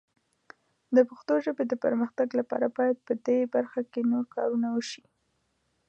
د پښتو ژبې د پرمختګ لپاره باید په دې برخه کې نور کارونه وشي.